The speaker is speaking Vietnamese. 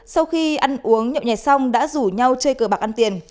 sau khi ăn uống nhậu nhẹ xong đã rủ nhau chơi cờ bạc ăn tiền